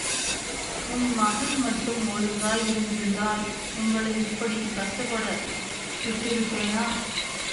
உன் மகன் மட்டும் ஒழுங்காய் இருந்திருந்தால் உங்களை இப்படிக் கஷ்டப் பட விட்டிருப்பேனா?